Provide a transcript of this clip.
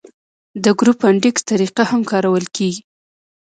د ګروپ انډیکس طریقه هم کارول کیږي